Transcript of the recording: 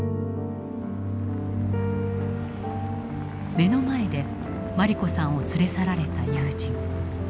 目の前で茉莉子さんを連れ去られた友人。